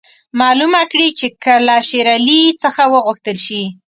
معلومه کړي چې که له شېر علي څخه وغوښتل شي.